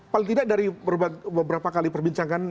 paling tidak dari beberapa kali perbincangan